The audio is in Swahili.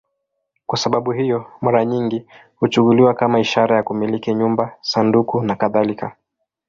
Kwa sababu hiyo, mara nyingi huchukuliwa kama ishara ya kumiliki nyumba, sanduku nakadhalika.